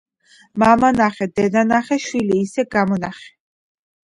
მამა ნახე, დედა ნახე, შვილი ისე გამონახე.